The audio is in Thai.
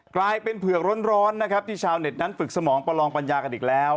กลายเป็นเผือกร้อนนะครับที่ชาวเน็ตนั้นฝึกสมองประลองปัญญากันอีกแล้ว